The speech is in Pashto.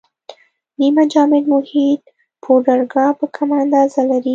نیمه جامد محیط پوډراګر په کمه اندازه لري.